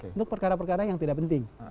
untuk perkara perkara yang tidak penting